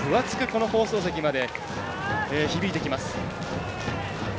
この放送席まで響いてきます。